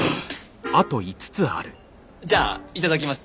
じゃあいただきます。